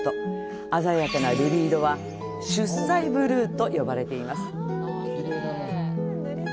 鮮やかな瑠璃色は「出西ブルー」と呼ばれています。